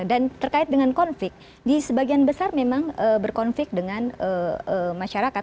dan terkait dengan konflik di sebagian besar memang berkonflik dengan masyarakat